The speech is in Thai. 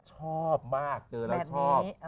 ชอบมากเจอแล้วชอบ